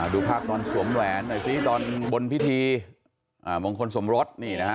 ดูภาพตอนสวมแหวนหน่อยสิตอนบนพิธีมงคลสมรส